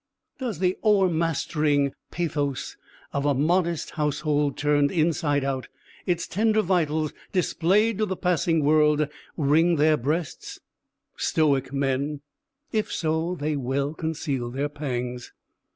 Does the o'ermastering pathos of a modest household turned inside out, its tender vitals displayed to the passing world, wring their breasts? Stoic men, if so, they well conceal their pangs.